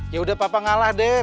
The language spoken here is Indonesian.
ya udah papa ngalah deh